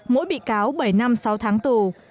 mỗi bị cáo bảy năm sáu tháng tù